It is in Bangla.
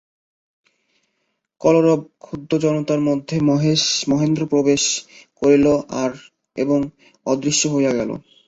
কলরবক্ষুদ্ধ জনতার মধ্যে মহেন্দ্র প্রবেশ করিল এবং অদৃশ্য হইয়া গেল।